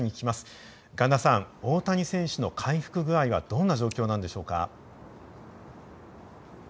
雁田さん大谷選手の回復具合はどんな状況なんでしょうか。